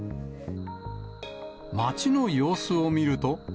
街の様子を見ると。